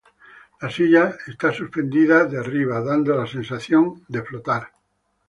La silla es suspendida de arriba, dando la sensación de flotar.